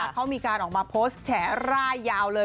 เขามีการออกมาโพสต์แฉร่ายยาวเลย